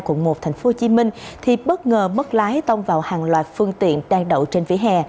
quận một tp hcm bất ngờ bất lái tông vào hàng loạt phương tiện đang đậu trên vỉa hè